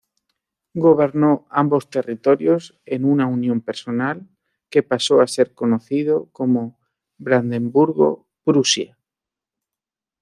Gobernó ambos territorios en una unión personal que pasó a ser conocido como Brandeburgo-Prusia.